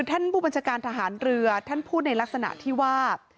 ท่านผู้บัญชาการทหารเรือท่านพูดในลักษณะที่ว่า